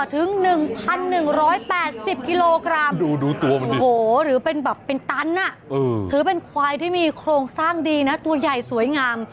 ถึง๑๑๘๐กิโลกรัมหรือเป็นแบบเป็นตันถือเป็นควายที่มีโครงสร้างดีนะตัวใหญ่สวยงาม